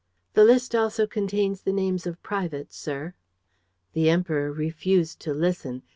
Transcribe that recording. "The list also contains the names of privates, sir." The Emperor refused to listen.